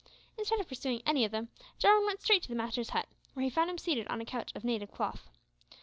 Instead of pursuing any of them, Jarwin went straight to his master's hut, where he found him seated on a couch of native cloth.